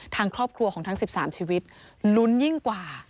ทางครอบครัวของทั้ง๑๓ชีวิตลุ้นยิ่งกว่า